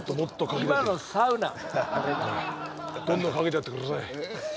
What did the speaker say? これがどんどんかけてやってください